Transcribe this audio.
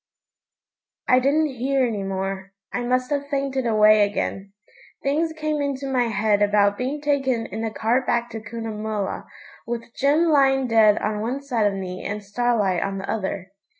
..... I didn't hear any more; I must have fainted away again. Things came into my head about being taken in a cart back to Cunnamulla, with Jim lying dead on one side of me and Starlight on the other.